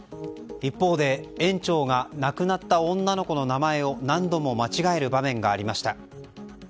一方で園長が亡くなった女の子の名前を何度も間違える場面がありました。